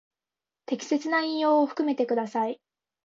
適切な引用を含めてください。